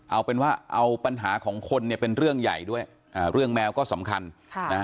เอาเป็นว่าเอาปัญหาของคนเนี่ยเป็นเรื่องใหญ่ด้วยอ่าเรื่องแมวก็สำคัญค่ะนะฮะ